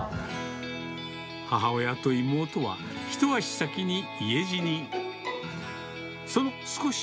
母親と妹は、一足先に家路に。